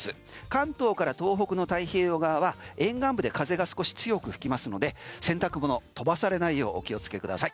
関東から東北太平洋側は沿岸部で風が少し強く吹きますので洗濯物飛ばされないようお気をつけください。